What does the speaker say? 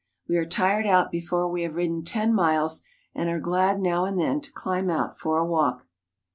We are tired out before we have ridden ten miles and are glad now and then to climb out for a walk.